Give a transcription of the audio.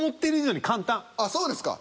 あっそうですか。